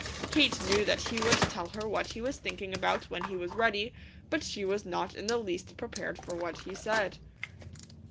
Kate knew that he would tell her what he was thinking about when he was ready but she was not in the least prepared for what he said.